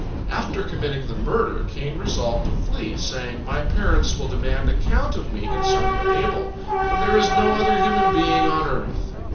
After committing the murder, Cain resolved to flee, saying, "My parents will demand account of me concerning Abel, for there is no other human being on earth."